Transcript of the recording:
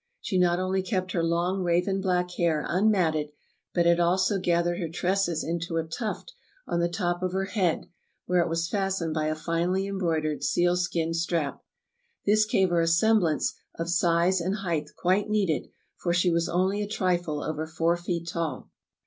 She not only kept her long, raven black hair unmatted, but had also gathered her tresses into a tuft on the top of her head, where it was fastened by a finely embroid ered seal skin strap. This gave her a semblance of size and height quite needed, for she was only a trifle over four feet tall.